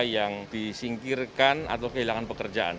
yang disingkirkan atau kehilangan pekerjaan